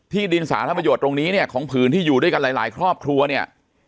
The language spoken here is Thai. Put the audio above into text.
ดินสาธารณประโยชน์ตรงนี้เนี่ยของผืนที่อยู่ด้วยกันหลายครอบครัวเนี่ย